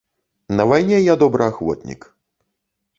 На вайне я добраахвотнік.